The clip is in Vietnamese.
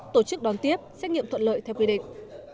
tổ chức đón tiếp xét nghiệm thuận lợi theo quy định